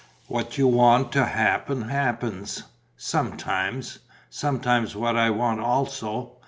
What you want to happen happens." "Sometimes." "Sometimes what I want also.